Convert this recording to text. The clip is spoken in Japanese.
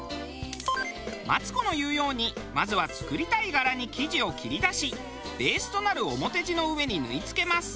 マツコの言うようにまずは作りたい柄に生地を切り出しベースとなる表地の上に縫い付けます。